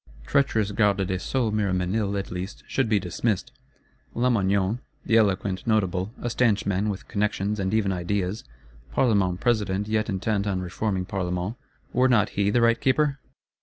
Treacherous Garde des Sceaux Miroménil, at least, should be dismissed; Lamoignon, the eloquent Notable, a stanch man, with connections, and even ideas, Parlement President yet intent on reforming Parlements, were not he the right Keeper?